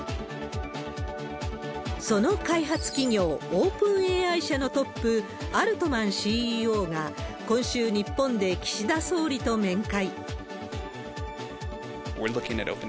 その開発企業、オープンＡＩ社のトップ、アルトマンＣＥＯが、今週、日本で岸田総理と面会。